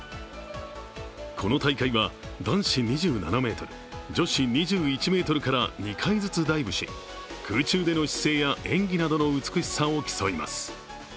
この大会は男子２７ｍ女子２１ｍから２回ずつダイブし、空中での姿勢や演技などの美しさを競います。